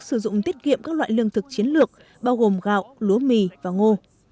sử dụng tiết kiệm các loại lương thực chiến lược bao gồm gạo lúa mì và ngô